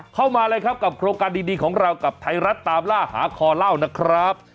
เข้ามาเลยครับกับโครงการดีของเรากับไทยรัฐตามล่าหาคอเล่านะครับ